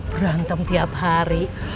berantem tiap hari